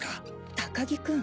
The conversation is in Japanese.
高木君。